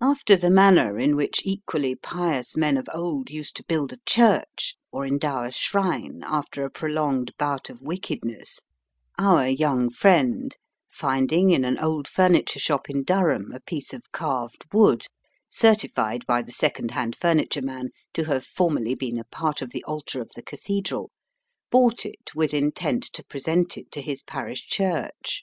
After the manner in which equally pious men of old used to build a Digitized by VjOOQIC NEW TOBK CITY. 29 churcli or endow a shrine after a prolonged bout of wickedness, our young friend, finding in an old furniture shop in Durham a piece of carved wood, certified by the second hand furniture man to have formerly been a part of the altar of the cathedral, bought it with intent to present it to his parish church.